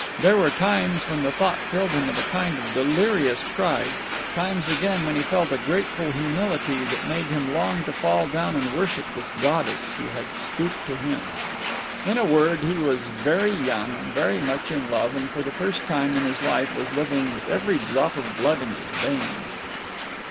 There were times when the thought filled him with a kind of delirious pride: times, again, when he felt a grateful humility that made him long to fall down and worship this goddess who had stooped to him. In a word, he was very young, very much in love, and for the first time in his life was living with every drop of blood in his veins.